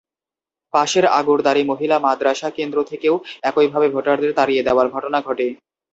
পাশের আগরদাঁড়ি মহিলা মাদ্রাসা কেন্দ্র থেকেও একইভাবে ভোটারদের তাড়িয়ে দেওয়ার ঘটনা ঘটে।